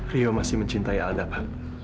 rio masih mencintai aldama